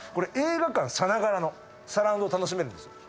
映画館さながらのサラウンドを楽しめるんです。